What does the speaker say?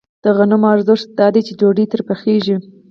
د غنمو ارزښت دا دی چې ډوډۍ ترې پخېږي